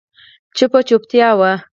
چوپه چوپتیا وه.